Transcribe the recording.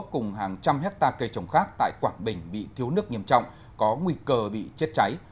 cùng hàng trăm hectare cây trồng khác tại quảng bình bị thiếu nước nghiêm trọng có nguy cơ bị chết cháy